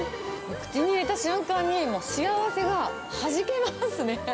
口に入れた瞬間に、もう幸せがはじけますね。